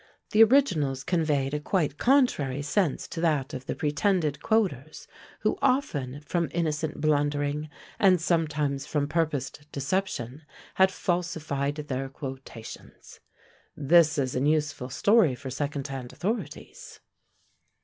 the originals conveyed a quite contrary sense to that of the pretended quoters, who often, from innocent blundering, and sometimes from purposed deception, had falsified their quotations. This is an useful story for second hand authorities!